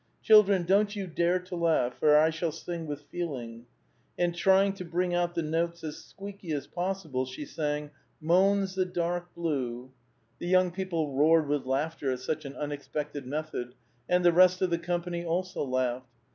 "Children, don't you dare to laugh, for I shall sing with feeling." And, trying to bring out the notes as squeaky as possible, she sang :— "Moans the dark blue —" A VITAL QUESTION. 457 The young people roaried with laughter at such an unex pected method, and the rest of the company also laughed.